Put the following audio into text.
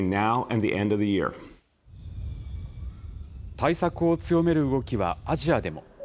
対策を強める動きはアジアでも。